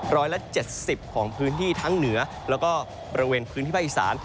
ร้อยละ๗๐ของพื้นที่ทั้งเหนือแล้วก็บริเวณพื้นที่ภาคอีสาน